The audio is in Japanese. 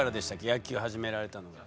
野球始められたのが。